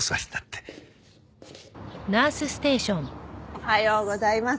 おはようございます。